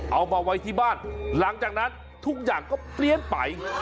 เอามาไว้ที่บ้านหลังจากนั้นทุกอย่างก็เปลี่ยนไป